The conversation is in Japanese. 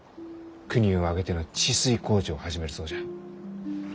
国を挙げての治水工事を始めるそうじゃ。